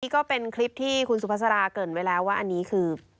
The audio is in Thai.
ก็เป็นคลิปที่คุณสุภาษาเกิดไว้แล้วว่าอันนี้คือ